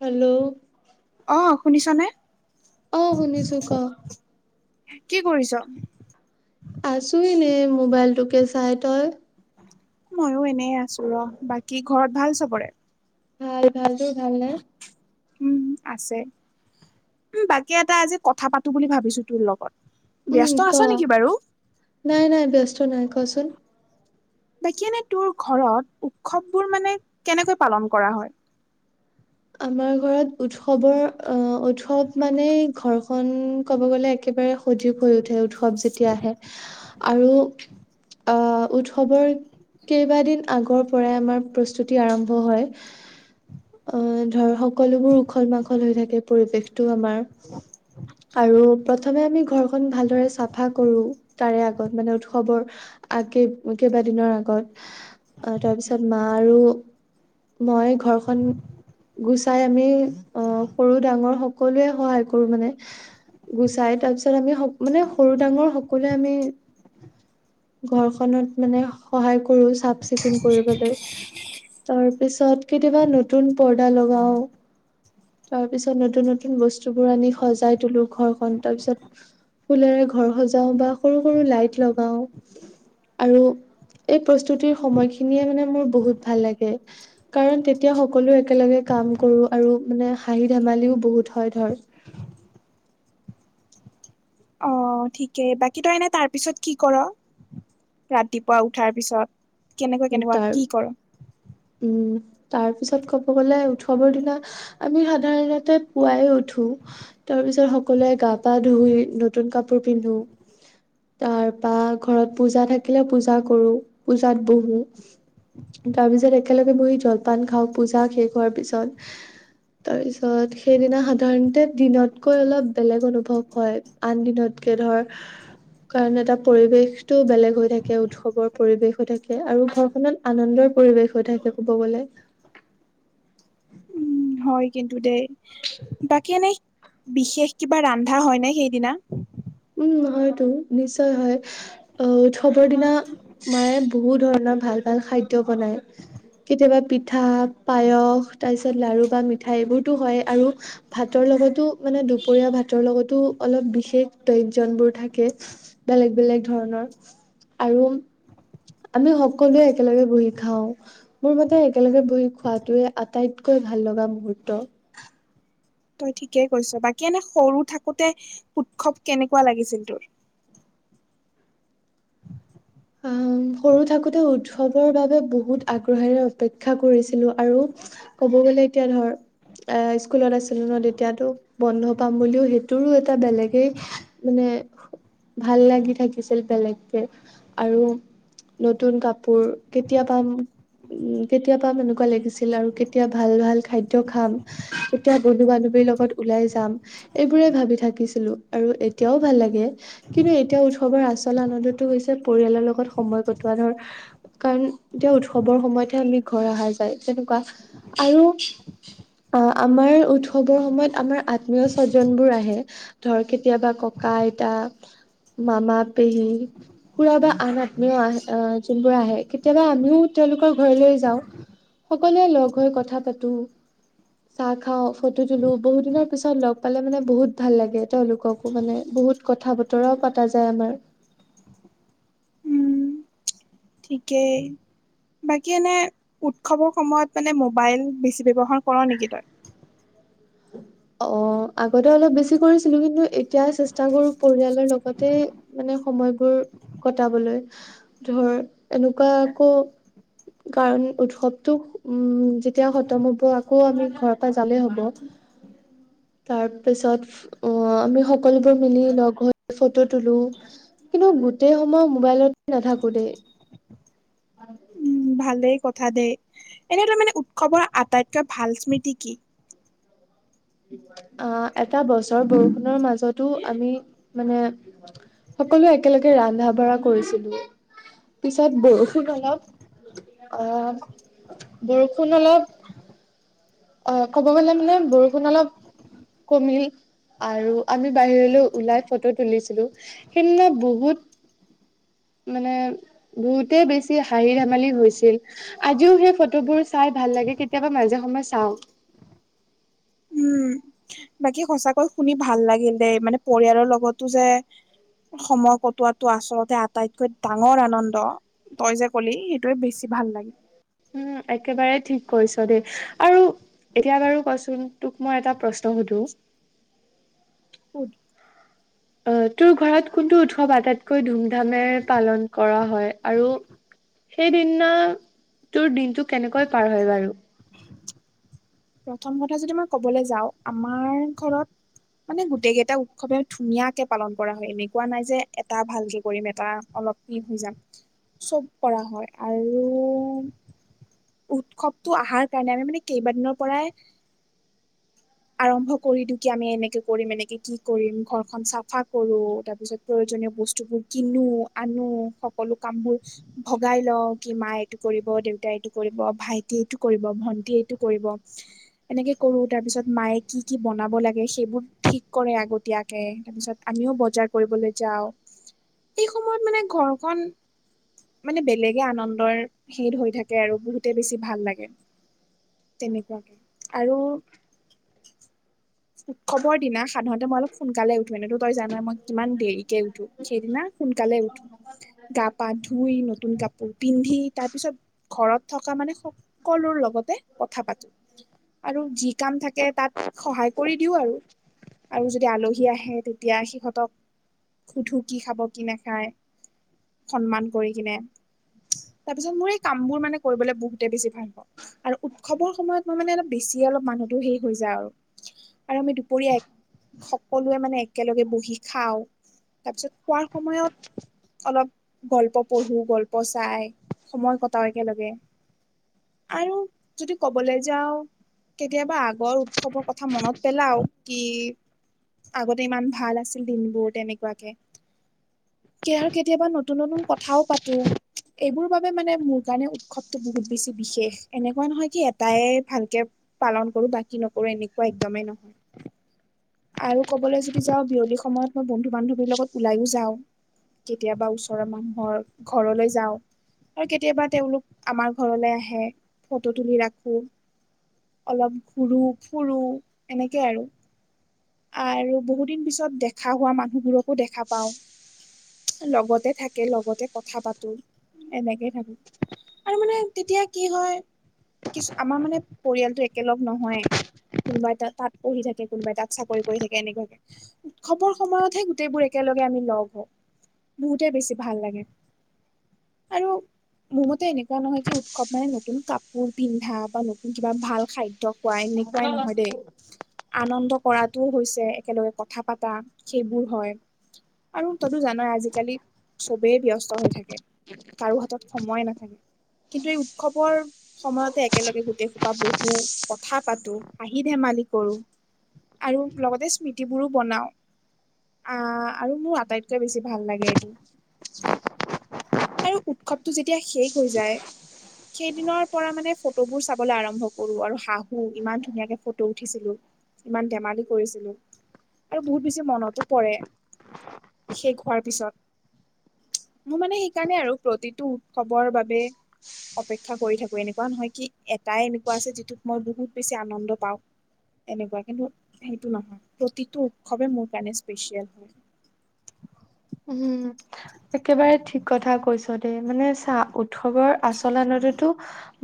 Hello অ' শুনিছ নে? অঁ শুনিছো ক! কি কৰিছ? আছো এনেই মোবাইলটোকে চাই তই? মইও এনে আছো ৰ বাকী ঘৰত ভাল চবৰে? ভাল ভাল। তোৰ ভাল নে? উম আছে উম, বাকী এটা আজি কথা পাতো বুলি ভাবিছো তোৰ লগত। উম ব্যস্ত ক! আছ নেকি বাৰু নাই নাই ব্যস্ত নাই। কচোন? বাকী এনে তোৰ ঘৰত, উৎসৱ বোৰ মানে কেনেকৈ পালন কৰা হয়? আমাৰ ঘৰত উৎসৱৰ অ উৎসৱ মানে ঘৰখন ক'ব গলে একেবাৰে সজীৱ হৈ উঠে, উৎসৱ যেতিয়া আহে আৰু আহ উৎসৱৰ কেইবাদিন আগৰ পৰাই আমাৰ প্ৰস্তুতি আৰম্ভ হয়। অ, ধৰ সকলোবোৰ উখল-মাখল হৈ থাকে পৰিৱেশটো আমাৰ। আৰু প্ৰথমে আমি ঘৰখন ভালদৰে চাফা কৰো। তাৰে আগত মানে উৎসৱৰ আ কেই কেইবাদিনৰ আগত। আহ তাৰপিছত মা আৰু মই ঘৰখন গুচাই আমি অ, সৰু ডাঙৰ সকলোৱে সহায় কৰো মানে। গুচাই তাৰ পিছত আমি মানে সৰু ডাঙৰ সকলোৱে আমি ঘৰখনত মানে সহায় কৰো চাফ-চিকুণ কৰিবলৈ। তাৰ পিছত কেতিয়াবা নতুন পৰ্দা লগাও। তাৰ পিছত নতুন-নতুন বস্তুবোৰ আনি সজাই তলো ঘৰখন তাৰপিছত ফুলৰে ঘৰ সজাও বা সৰু সৰু লাইট লগাও। আৰু এই প্ৰস্তুতিৰ সময়খিনিয়ে মানে মোৰ বহুত ভাল লাগে। কাৰণ তেতিয়া সকলো একেলগে কাম কৰো আৰু মানে হাঁহি ধেমালিও বহুত হয় ধৰ অ ঠিকেই, বাকী তই এনে তাৰ পিছত কি কৰ? ৰাতিপুৱা উঠাৰ পিছত? উম কেনেকুৱা-কেনেকুৱা তাৰ কি কৰ? উম তাৰ পিছত ক'ব গ'লে উৎসৱৰ দিনা আমি সাধাৰণতে পুৱাই উঠো। তাৰ পিছত সকলোৱে গা-পা ধুই নতুন কাপোৰ পিন্ধো। তাৰ পা ঘৰত পূজা থাকিলে পূজা কৰো। পূজাত- বহো। তাৰ পিছত একেলগে বহি জলপান খাওঁ পূজা শেষ হোৱাৰ পিছত। তাৰপিছত সেইদিনা সাধাৰণতে দিনতকৈ অলপ বেলেগ অনুভৱ হয় আন দিনতকে ধৰ কাৰণ এটা পৰিৱেশটো বেলেগ হৈ থাকে উৎসৱৰ পৰিবেশ হৈ থা কে আৰু ঘৰখনত আনন্দৰ পৰিৱেশ হৈ থাকে কব গলে উম হয় কিন্তু দেই বাকী এনে বিশেষ কিবা ৰান্ধা হয় নে সেইদিনা? উম, হয়টো নিশ্চয় হয়। আহ উৎসৱৰ দিনা মায়ে বহু ধৰণৰ ভাল-ভাল খাদ্য বনাই। কেতিয়াবা পিঠা, পায়স তাৰ পিছত লাৰু বা মিঠাই এইবোৰতো হয় আৰু ভাতৰ লগতো, মানে দুপৰীয়া ভাতৰ লগতো অলপ বিশেষ তৈজনবোৰ থাকে বেলেগ-বেলেগ ধৰণৰ আৰু আমি সকলোৱে একেলগে বহি খাওঁ। মোৰ মতে, একেলগে বহি খোৱাটোৱে আটাইতকৈ ভাল লগা মুহুৰ্ত। তই ঠিকেই কৈছ বাকী এনে সৰু থাকোতে উৎসৱ কেনেকুৱা লাগিছিল তোৰ আহ সৰু থাকোতে উৎসৱৰ বাবে বহুত আগ্ৰহেৰে অপেক্ষা কৰিছিলো আৰু ক'ব গ'লে এতিয়া ধৰ এ স্কুলত আছিলো ন তেতিয়াতো বন্ধ পাম বুলিও সেইটোৰো এটা বেলেগেই মানে ভাল লাগি থাকিছিল বেলেগকে আৰু নতুন কাপোৰ কেতিয়া পাম উ কেতিয়াবা এনেকুৱা লাগিছিল আৰু কেতিয়া ভাল ভাল খাদ্য খাম কেতিয়া বন্ধু বান্ধৱীৰ লগত ওলাই যাম এইবোৰে ভাবি থাকিছিলো আৰু এতিয়াও ভাল লাগে কিন্তু এতিয়া উৎসৱৰ আচল আনন্দটো হৈছে পৰিয়ালৰ লগত সময় কটোৱা ধৰ কাৰণ এতিয়া উৎসৱৰ সময়তহে আমি ঘৰ অহা যায় তেনেকুৱা আৰু অ আমাৰ উৎসৱৰ সময়ত আমাৰ আত্মীয় স্বজনবোৰ আহে ধৰ কেতিয়াবা ককা আইতা মামা পেহী খুৰা বা আন আত্মীয় আহে আহ যোনবোৰ আহে কেতিয়াবা আমিও তেওঁলোকৰ ঘৰলৈ যাওঁ সকলোৱে লগ হৈ কথা পাতো চাহ খাও ফটো তুলো বহুত দিনৰ পিছত লগ পালে মানে বহুত ভাল লাগে তেওঁলোককো মানে বহুত কথা বতৰাও পতা যায় আমাৰ উম ঠিকেই বাকী এনে উৎসৱৰ সময়ত মানে মোবাইল বেছি ব্যৱহাৰ কৰ নেকি তই? [inaudible] অ, আগতে অলপ বেছি কৰিছিলো কিন্তু এতিয়া চেষ্টা কৰো পৰিয়ালৰ লগতে মানে সময়বোৰ কটাবলৈ ধৰ এনেকুৱা আকৌ কাৰণ উৎসৱটো উম, যেতিয়া খতম হ'ব আকৌ আমি ঘৰৰ পৰা জালেই হ'ব। তাৰ পিছত অ, আমি সকলোবোৰ মিলি লগৰ ফটো তুলো। কিন্তু গোটেই সময় মোবাইলতে নাথাকো দেই। উম ভালেই কথা দেই এনে তাৰ মানে উৎসৱৰ আটাইতকৈ ভাল স্মৃতি কি? অ, এটা বছৰ বৰষুণৰ মাজতো আমি মানে সকলো একেলগে ৰান্ধা-বাঢ়া কৰিছিলো পিছত বৰষুণ অলপ অ, বৰষুণ অলপ অ, ক'ব গলে মানে বৰষুণ অলপ কমিল। আৰু আমি বাহিৰলৈ ওলাই ফটো তুলিছিলো সেইদিনা বহুত মানে বহুতে বেছি হাঁহি ধেমালি হৈছিল। আজিও সেই ফটোবোৰ চাই ভাল লাগে কেতিয়াবা মাজে সময়ে চাও। উম, বাকী সঁচাকৈ শুনি ভাল লাগিল দেই মানে পৰিয়ালৰ লগতো যে সময় কটোৱাটো আচলতে আটাইতকৈ ডাঙৰ আনন্দ। তই যে কলি সেইটোয়ে বেছি ভাল লাগিল। উম, একেবাৰে ঠিক কৈছ দেই আৰু এতিয়া বাৰু কচোন তোক মই এটা প্ৰশ্ন সুধো? ফুত অ, তোৰ ঘৰত কোনটো উৎসৱ আটাইতকৈ ধুমধামেৰে পালন কৰা হয়, আৰু সেইদিনা তোৰ দিনটো কেনেকৈ পাৰ হয় বাৰু। [unintelligible] প্ৰথম কথা যদি মই কবলৈ যাও আমাৰ ঘৰত মানে গোটেই কেইটা উৎসৱে ধুনীয়াকে পালন কৰা হয় এনেকুৱা নাই যে এটা ভালকে কৰিম এটা অলপ প হৈ যাম চব কৰা হয় আৰু উৎসৱটো আহাৰ কাৰণে, আমি মানে কেইবাদিনৰ পৰাই আৰম্ভ কৰি দিও, কি আমি এনেকে কৰিম এনেকে কি কৰিম ঘৰখন চাফা কৰো তাৰপিছত প্ৰয়োজনীয় বস্তুবোৰ কিনো আনো সকলো কামবোৰ ভগাই লও কি মাই এইটো কৰিব, দেউতাই এইটো কৰিব, ভাইটি এইটো কৰিব, ভন্টি এইটো কৰিব। এনেকে কৰো তাৰপিছত মায়ে কি-কি বনাব লাগে সেইবোৰ ঠিক কৰে, আগতিয়াকৈ তাৰপিছত আমিও বজাৰ কৰিবলৈ যাও এই সময়ত মানে ঘৰখন মানে বেলেগে আনন্দৰ হেদ হৈ থাকে, আৰু বহুতে বেছি ভাল লাগে। তেনেকুৱা আৰু উৎসৱৰ দিনা সাধাৰণতে মই অলপ সোনকালে উঠো। এনেতো তই জানই মই কিমান দেৰিকে উঠো। সেইদিনা সোনকালে উঠো। গা পা ধুই নতুন কাপোৰ পিন্ধি তাৰ পিছত ঘৰত থকা মানে সকলো লগতে কথা পাতো, আৰু যি কাম থাকে তাত সহায় কৰি দিও আৰু আৰু যদি আলহী আহে তেতিয়া সিহঁতক সুধো কি খাব কি নাখায় সন্মান কৰি কিনে তাৰ পিছত মোৰ এই কামবোৰ মানে কৰিবলৈ বহুতে বেছি ভাল পাও। আৰু উৎসৱৰ সময়ত মই মানে অলপ বেছি অলপ মানুহ সেই হৈ যায় আৰু-আৰু আমি দুপৰীয়া এক সকলোৱে মানে একেলগে বহি খাও তাৰপিছত খোৱাৰ সময়ত অলপ গল্প পঢ়ো, গল্প চাই সময় কটাও একেলগে। আৰু যদি ক'বলৈ যাও কেতিয়াবা আগৰ উৎসৱৰ কথা মনত পেলাও, কি আগতে ইমান ভাল আছিল দিনবোৰ তেনেকোৱাকে এতিয়া আৰু কেতিয়াবা ন তুন নতুন কথাও পাতো। এইবোৰ বাবে মানে মোৰ কাৰণে উৎসৱটো বহুত বেছি বিশেষ এনেকোৱা নহয় কি এটাই ভালকে পালন কৰো বাকী নকৰো এনেকোৱা একদমেই নহয়। আৰু কবলৈ যদি যাও বিয়লি সময়ত মই বন্ধু বান্ধৱীৰ লগত ওলাইও যাও। কেতিয়াবা ওচৰৰ মানুহৰ ঘৰলৈ যাও। আৰু কেতিয়াবা তেওলোক আমাৰ ঘৰলে আহে ফটো তুলি ৰাখো। অলপ ঘুৰো ফুৰো এনেকে আৰু আৰু বহু দিন পিছত দেখা হোৱা মানুহবোৰকো দেখা পাও। লগতে থাকে লগতে কথা পাতো এনেকে থাকো। আৰু মানে তেতিয়া কি হয় কিছু আমাৰ মানে পৰিয়ালটো একেলগ নহয়েই কোনোবাই তাত তাত পঢ়ি থাকে কোনোবাই তাত চাকৰি কৰি থাকে এনেকোৱাকে উৎসৱৰ সময়তহে গোটেইবোৰ একেলগে আমি লগ হও। বহুতে বেছি ভাল লাগে। আৰু মোৰ মতে এনেকোৱা নহয় যে উৎসৱ মানে নতুন কাপোৰ পিন্ধা বা ন কিবা ভাল খাদ্য খোৱা এনেকোৱাই নহয় দেই আনন্দ কৰাটোও হৈছে একেলগে কথা পতা সেইবোৰ হয় আৰু তইতো জানই আজিকালি চবেই ব্যস্ত হৈ থাকে কাৰো হাতত সময়ে নাথাকে কিন্তু এই উৎসৱৰ সময়তে একেলগে গোটেই সো পা বহো কথা পাতো হাঁহি ধেমালি কৰো আৰু লগতে স্মৃতিবোৰো বনাও। আহ আৰু মোৰ আটাইতকৈ বেছি ভাল লাগে এইটো আৰু উৎসৱটো যেতিয়া শেষ হৈ যায় সেইদিনৰ পৰা মানে ফটোবোৰ চা বলৈ আৰম্ভ কৰো আৰু হাহো ইমান ধুনীয়াকে ফটো উঠিছিলো ইমান ধেমালি কৰিছিলো। আৰু বহুত বেছি মনতো পৰে শেষ হোৱাৰ পিছত মোৰ মানে সেইকাৰণে আৰু প্ৰতিটো উৎসৱৰ বাবে অপেক্ষা কৰি থাকো এনেকোৱা নহয় কি, এটাই এনেকোৱা আছে যিটোত মই বহুত বেছি আনন্দ পাও। তেনেকোৱা কিন্তু সেইটো নহয় প্ৰতিটো উৎসৱে মোৰ কাৰণে স্পেচিয়েল হয়। উম। একেবাৰে ঠিক কথা কৈছ দেই মানে চা উৎসৱৰ আচলতেটো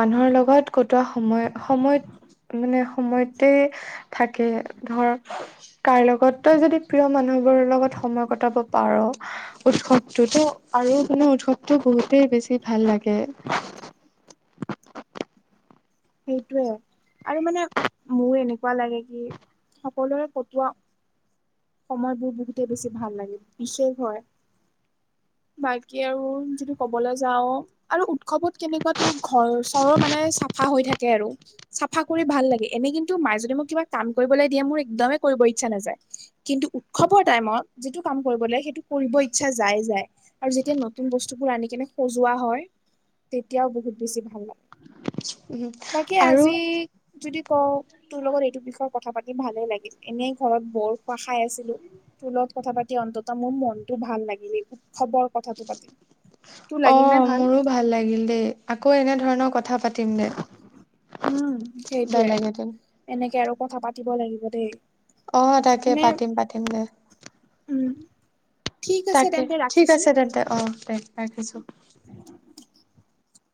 মানুহৰ লগত কটোৱা সময় সময়ত মানে সময়ত গোটেই থাকে ধৰ- তাৰ লগতো যদি প্ৰিয় মানুহবোৰৰ লগত সময় কটাব পাৰ উৎসৱটোতো আৰু মানে উৎসৱটো বহুতেই বেছি ভাল লাগে। সেইটোয়ে আৰু মানে মোৰ এনেকোৱা লাগে কি সকলোৰে কটোৱা সময়বোৰ বহুতে বেছি ভাল লাগে বিশেষ হয়। বাকী আৰু যিটো ক'বলৈ যাও আৰু উৎসৱত কেনেকোৱা তোৰ ঘৰ চৰো মানে চাফা হৈ থাকে আৰু। চাফা কৰি ভাল লাগে এনে কিন্তু মায়ে যদি মোক কিবা কাম কৰিবলৈ দিয়ে, মোৰ একদমেই কৰিব ইচ্ছা নাযায়। কিন্তু উৎসৱৰ টাইমত যিটো কাম কৰিব লাগে সেইটো কৰিব ইচ্ছা যায় যায়। আৰু যেতিয়া নতুন বস্তুবোৰ আনি কেনে সজোৱা হয় তেতিয়াও বহুত বেছি ভাল লাগে। উম। বাকী আৰু আজি যদি কও তোৰ লগত এইটো বিষয়ে কথা পাতি ভালেই লাগিল, এনেই ঘৰত বৰসোপা খাই আছিলো। তোলত কথা পাতি অন্তত মোৰ মনটো ভাল লাগিলে উৎসৱৰ কথাটো পাতি। তোৰ অ লাগিল নাই ভাল? মোৰো ভাল লাগিল দেই আকৌ এনে ধৰণৰ কথা পা তিলে উম সেইটোয়ে বেলেগ এদিন এনেকে আৰু কথা পাতিব লাগিব দেই। অ তাকে মানে পাতিম পাতিম দে। উম। ঠিক আছে তাকে তেন্তে ঠিক ৰাখিছো আছে তেন্তে অ দে ৰাখিছো।